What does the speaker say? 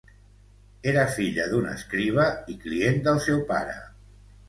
Era filla d'un escriba i client del seu pare.